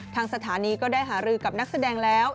ทางสถานีก็ได้หารือกับนักแสดงแล้ว